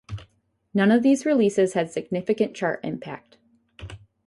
None of these releases had significant chart impact.